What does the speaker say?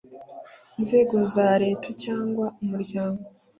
inzego za Leta cyangwa umuryango